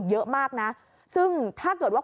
เยอะมากนะซึ่งถ้าเกิดว่า